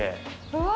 うわ。